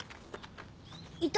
いた。